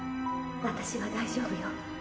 ・私は大丈夫よ。